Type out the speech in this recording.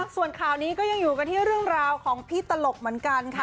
ส่วนข่าวนี้ก็ยังอยู่กันที่เรื่องราวของพี่ตลกเหมือนกันค่ะ